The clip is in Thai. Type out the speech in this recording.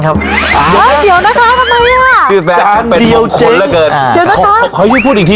ขอพูดอีกทีนึง